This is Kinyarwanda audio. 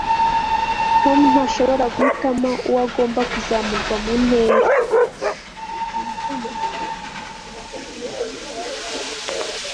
tom ntashobora guhitamo uwagomba kuzamurwa mu ntera